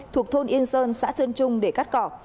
thuộc thôn yên sơn xã sơn trung để cắt cỏ